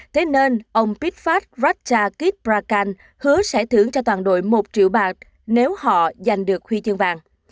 thế nên ông prithpat ratchakitprakarn hứa sẽ thưởng cho toàn đội một triệu baht nếu họ giành được huy chương vàng